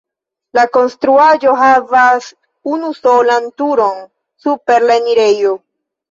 La konstruaĵo havas unusolan turon super la enirejo.